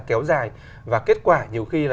kéo dài và kết quả nhiều khi là